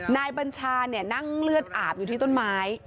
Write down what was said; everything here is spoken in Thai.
บัญชานั่งเลือดอาบอยู่ที่ต้นไม้